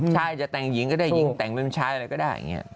ใช่จะแต่งหญิงก็ได้หญิงแต่งเป็นมันชายอะไรก็ได้